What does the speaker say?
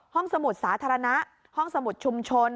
สมุดสาธารณะห้องสมุดชุมชน